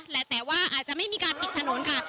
แต่ว่าอาจจะไม่มีการปิดถนนค่ะ